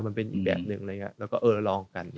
มันเป็นอีกแบบหนึ่งแล้วก็ลองกัน